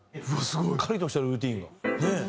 しっかりとしたルーティーンが。